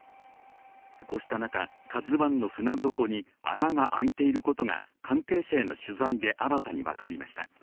こうした中、「ＫＡＺＵⅠ」の船底に穴があいていることが関係者への取材で新たに分かりました。